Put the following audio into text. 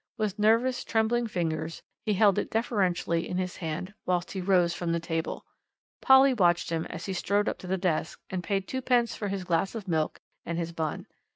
With nervous, trembling fingers he held it deferentially in his hand whilst he rose from the table. Polly watched him as he strode up to the desk, and paid twopence for his glass of milk and his bun.